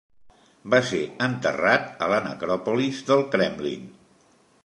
Va ser enterrat a la Necròpolis del Kremlin.